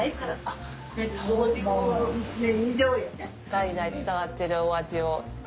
代々伝わってるお味を。